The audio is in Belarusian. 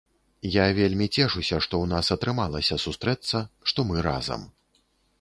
Я вельмі цешуся, што у нас атрымалася сустрэцца, што мы разам.